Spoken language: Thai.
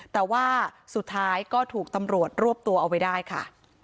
แต่ว่าสุดท้ายก็ถูกตำรวจรวบตัวเอาไว้ได้ค่ะ